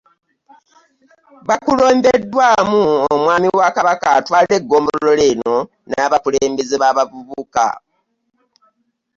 Bakulembeddwamu omwami wa Kabaka atwala eggombolola eno n'abakulembeze b'abavubuka